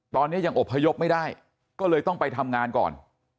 ตอนนี้ยังอบพยพไม่ได้ก็เลยต้องไปทำงานก่อน